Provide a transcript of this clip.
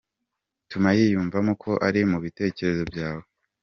Tuma yiyumvamo ko ari mu bitekerezo byawe.